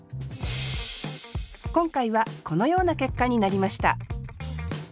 今回はこのような結果になりました